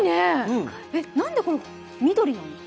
何でこれ緑なの？